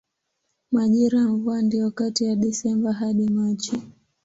Majira ya mvua ndiyo kati ya Desemba hadi Machi.